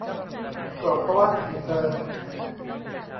โกรธก็วาดสติกเกอร์